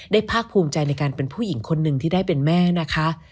ภาคภูมิใจในการเป็นผู้หญิงคนหนึ่งที่ได้เป็นแม่นะคะ